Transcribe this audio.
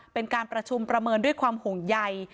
เป็นการประชุมประเมินด้วยความห่วงใย